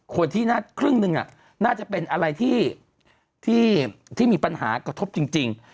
คนที่น่าครึ่งหนึ่งน่าจะเป็นอะไรที่มีปัญหากระทบจริง